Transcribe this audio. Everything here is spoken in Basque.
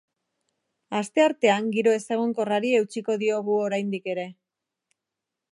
Asteartean giro ezegonkorrari eutsiko diogu oraindik ere.